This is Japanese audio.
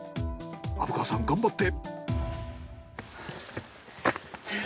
虻川さん頑張って！